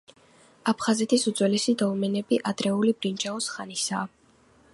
აფხაზეთის უძველესი დოლმენები ადრეული ბრინჯაოს ხანისაა.